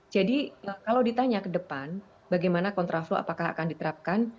jadi kalau ditanya ke depan bagaimana kontraflow apakah akan diterapkan